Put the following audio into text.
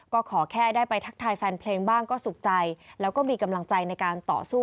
ก็ขอแค่ได้ไปทักทายแฟนเพลงบ้างก็สุขใจแล้วก็มีกำลังใจในการต่อสู้